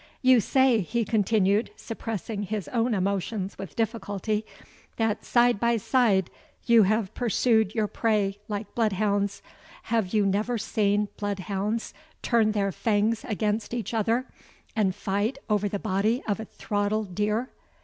You say," he continued, suppressing his own emotions with difficulty, "that side by side you have pursued your prey like bloodhounds have you never seen bloodhounds turn their fangs against each other, and fight over the body of a throttled deer?"